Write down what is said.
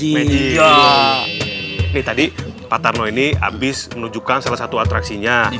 ini tadi pak tarno ini habis menunjukkan salah satu atraksinya